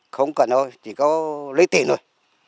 không cần đâu chỉ có lấy tiền thôi